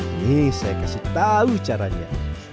ini saya kasih tahu caranya